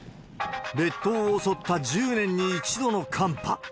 列島を襲った１０年に１度の寒波。